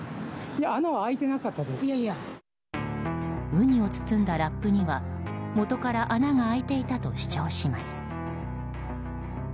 ウニを包んだラップには元から穴が開いていたと主張します。